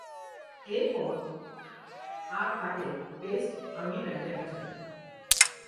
এরপর আর তাকে টেস্ট আঙ্গিনায় দেখা যায়নি।